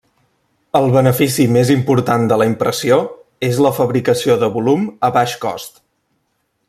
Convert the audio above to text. El benefici més important de la impressió és la fabricació de volum a baix cost.